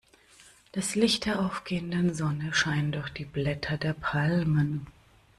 Das Licht der aufgehenden Sonne scheint durch die Blätter der Palmen.